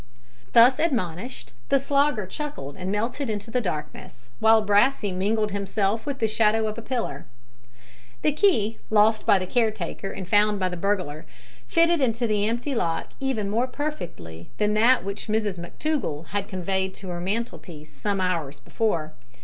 Thus admonished, the Slogger chuckled and melted into the darkness, while Brassey mingled himself with the shadow of a pillar. The key lost by the care taker and found by the burglar fitted into the empty lock even more perfectly than that which Mrs McTougall had conveyed to her mantelpiece some hours before.